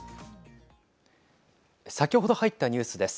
先ほど入ったニュースです。